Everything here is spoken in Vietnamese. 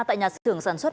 tại nhà xưởng sản xuất